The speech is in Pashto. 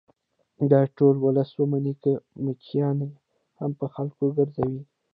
باید ټول ولس ومني که میچنې هم په خلکو ګرځوي